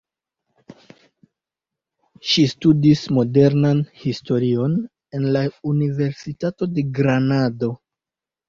Ŝi studis Modernan Historion en la Universitato de Granado.